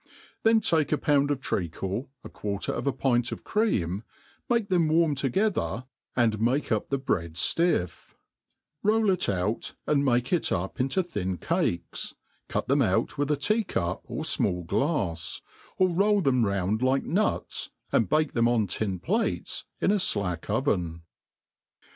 then take a pound of treacle, a quarter of a pint of cream, make them warm together, and make tii TH6 ART OF COOKERY « inafce up tlifc bread ftrff ; roll it out, and make it up into thin Ttke% CK them out with a tea rup, or fmall glafe 5 or roll them round like nuts^ and bake them on tin plates in d flack oven.